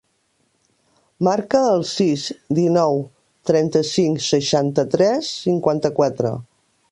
Marca el sis, dinou, trenta-cinc, seixanta-tres, cinquanta-quatre.